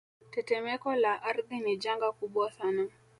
Tetemeko la ardhi ni janga kubwa sana